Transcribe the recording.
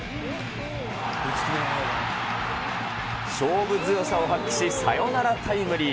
勝負強さを発揮し、サヨナラタイムリー。